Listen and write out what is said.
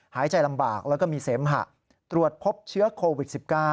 หายใจลำบากแล้วก็มีเสมหะตรวจพบเชื้อโควิด๑๙